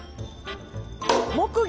木魚？